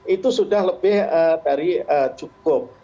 itu sudah lebih dari cukup